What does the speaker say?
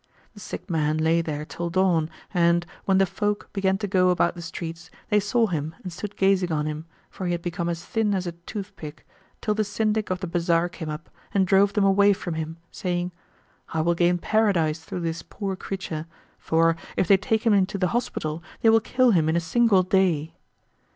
The sick man lay there till dawn and, when the folk began to go about the streets, they saw him and stood gazing on him, for he had become as thin as a toothpick, till the Syndic of the bazar came up and drove them away from him, saying, "I will gain Paradise through this poor creature; for if they take him into the Hospital, they will kill him in a single day."